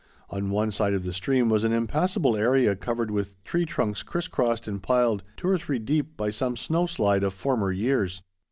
On one side of the stream, was an impassable area covered with tree trunks criss crossed and piled two or three deep by some snow slide of former years.